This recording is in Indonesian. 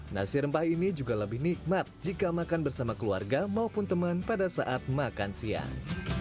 nasi rempah ini juga lebih nikmat jika makan bersama keluarga maupun teman pada saat makan siang